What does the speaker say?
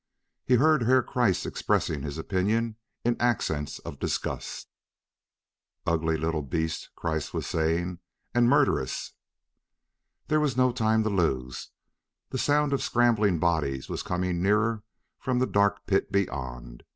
He heard Herr Kreiss expressing his opinion in accents of disgust. "Ugly little beast!" Kreiss was saying. "And murderous!" There was no time to lose: the sound of scrambling bodies was coming nearer from the dark pit beyond.